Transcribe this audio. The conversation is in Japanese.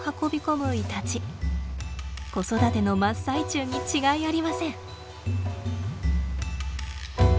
子育ての真っ最中に違いありません。